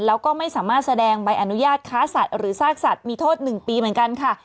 แล้วก็ไม่สามารถแสดงใบอนุญาตค้าสัตว์หรือซากสัตว์มีโทษ๑ปีเหมือนกันค่ะ